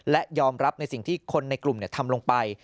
และยอมรับในสิ่งที่คนในกลุ่มทำลงไป